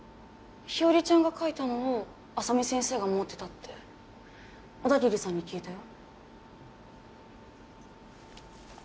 日和ちゃんが書いたのを浅海先生が持ってたって小田桐さんに聞いたよ。